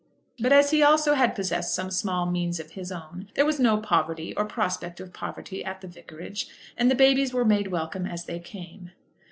But as he also had possessed some small means of his own, there was no poverty, or prospect of poverty at the vicarage, and the babies were made welcome as they came.